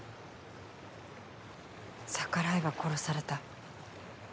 逆らえば殺された。